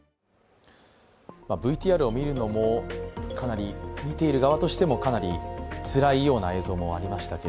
ＶＴＲを見るのも、かなり見ている者としてもかなりつらい映像がありましたが。